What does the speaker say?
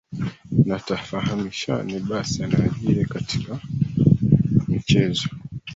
na tufahamishane basi yanayojiri katika michezo